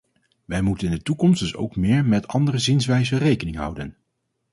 Wij moeten in de toekomst dus ook meer met andere zienswijzen rekening houden.